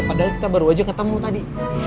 padahal kita baru aja ketemu tadi